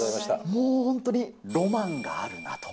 もう本当にロマンがあるなと。